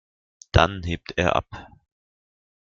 Dann hebt er ab.